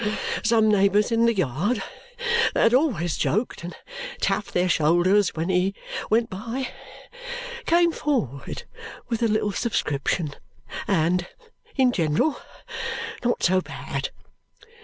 Some neighbours in the yard that had always joked and tapped their shoulders when he went by came forward with a little subscription, and in general not so bad.